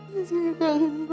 benar enggak apa apa